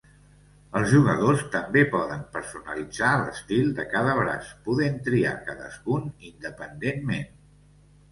Els jugadors també poden personalitzar l'estil de cada braç, podent triar cadascun independentment.